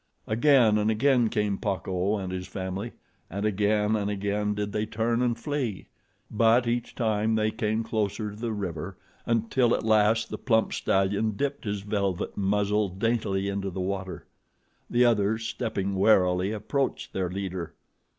Again and again came Pacco and his family, and again and again did they turn and flee; but each time they came closer to the river, until at last the plump stallion dipped his velvet muzzle daintily into the water. The others, stepping warily, approached their leader.